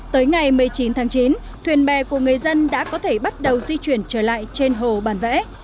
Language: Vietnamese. tới ngày một mươi chín tháng chín thuyền bè của người dân đã có thể bắt đầu di chuyển trở lại trên hồ bản vẽ